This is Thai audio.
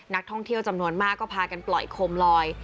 นักท่องเที่ยวจำนวนมากก็พากันปล่อยโคมลอย